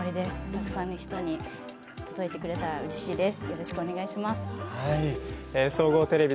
たくさんの人に届いてくれたらうれしいです。